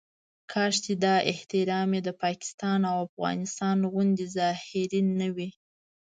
کاش چې دا احترام یې د پاکستان او افغانستان غوندې ظاهري نه وي.